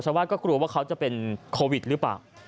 ว่าก็กลัวว่าเขาจะเป็นโควิดหรือเปล่า